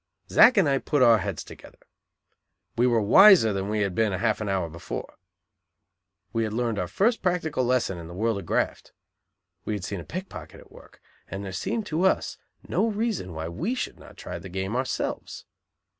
Zack and I put our heads together. We were "wiser" than we had been half an hour before. We had learned our first practical lesson in the world of graft. We had seen a pickpocket at work, and there seemed to us no reason why we should not try the game ourselves.